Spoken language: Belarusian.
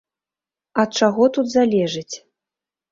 Ад чаго тут залежыць?